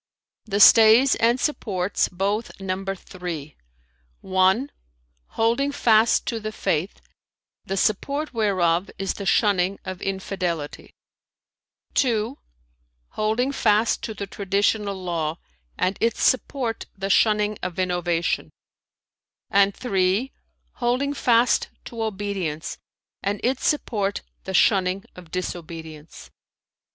"[FN#336] "The stays and supports both number three: (1) holding fast to the Faith, the support whereof is the shunning of infidelity; (2) holding fast to the Traditional Law, and its support the shunning of innovation; and (3) holding fast to obedience, and its support the shunning of disobedience."